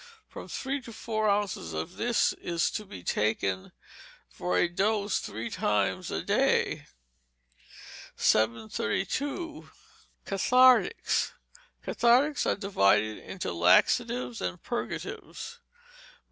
From three to four ounces of this is to be taken for a dose three times a day. 732. Cathartics. Cathartics are divided into laxatives and purgatives.